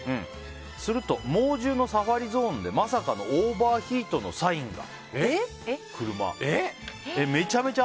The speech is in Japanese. すると、猛獣のサファリゾーンでまさかのオーバーヒートのサインが。